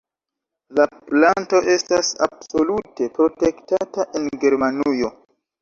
La planto estas absolute protektata en Germanujo.